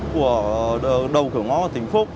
của đầu cửa ngõ tỉnh phúc